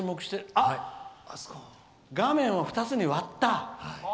あっ、画面を２つに割った？